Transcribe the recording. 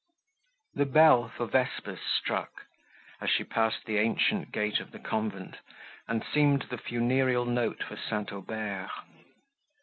The bell for vespers struck, as she passed the ancient gate of the convent, and seemed the funereal note for St. Aubert.